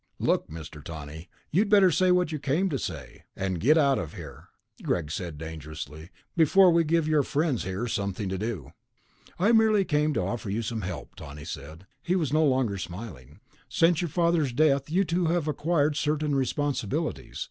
"Look, Mr. Tawney, you'd better say what you came to say and get out of here," Greg said dangerously, "before we give your friends here something to do." "I merely came to offer you some help," Tawney said. He was no longer smiling. "Since your father's death, you two have acquired certain responsibilities.